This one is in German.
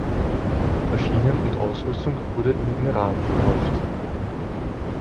Maschinen und Ausrüstung wurde in den Iran verkauft.